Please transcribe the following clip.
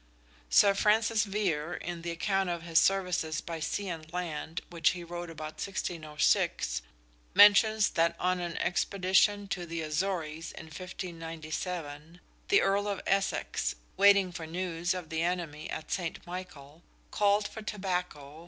Sir Francis Vere, in the account of his services by sea and land which he wrote about 1606, mentions that on an expedition to the Azores in 1597, the Earl of Essex, waiting for news of the enemy at St. Michael, "called for tobacco